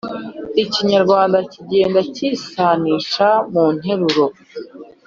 ikinyarwanda kigenda cyisanisha mu nteruro,